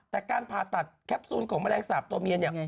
แต่การผ่าตัดแคปซูลของแมลงสาปตัวเมียเนี่ย